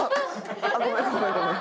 ごめんごめんごめん。